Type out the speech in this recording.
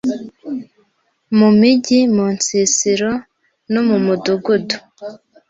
Mu mijyi, mu nsisiro no mu mudugudu